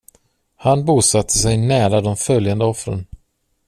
Han bosatte sig nära de följande offren.